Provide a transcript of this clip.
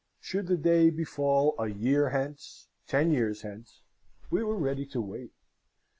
Should the day befall a year hence ten years hence we were ready to wait.